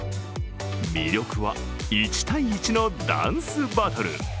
魅力は１対１のダンスバトル。